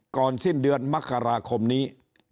ก่อนสิ้นเดือนมคนี้